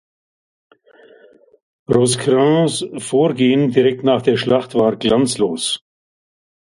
Rosecrans Vorgehen direkt nach der Schlacht war glanzlos.